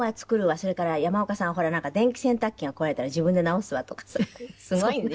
それから山岡さんほらなんか電気洗濯機が壊れたら自分で直すわとかさすごいね。